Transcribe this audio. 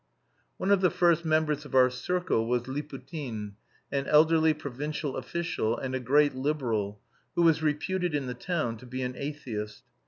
One of the first members of our circle was Liputin, an elderly provincial official, and a great liberal, who was reputed in the town to be an atheist.